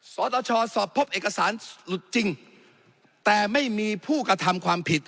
สตชสอบพบเอกสารหลุดจริงแต่ไม่มีผู้กระทำความผิด